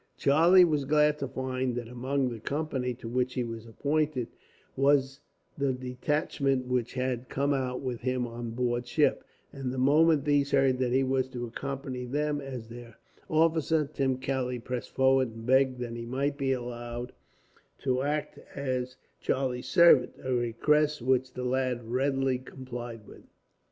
Charlie was glad to find that among the company to which he was appointed was the detachment which had come out with him on board ship; and the moment these heard that he was to accompany them, as their officer, Tim Kelly pressed forward and begged that he might be allowed to act as Charlie's servant, a request which the lad readily complied with.